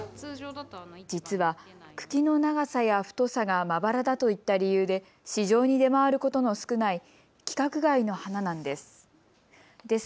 実は茎の長さや太さがまばらだといった理由で市場に出回ることの少ない規格外の花なんです。